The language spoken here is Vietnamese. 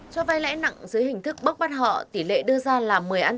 cho vay lãi nặng dưới hình thức bóc bắt họ tỷ lệ đưa ra là một mươi ăn tám